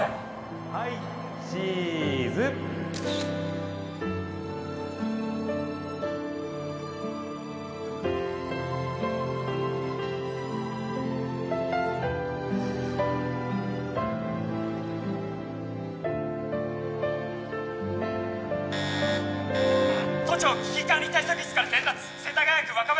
・はいチーズ都庁危機管理対策室から伝達世田谷区若林